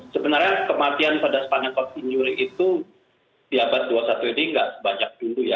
sebenarnya kematian pada spanyol coutinjury itu di abad dua puluh satu ini nggak sebanyak dulu ya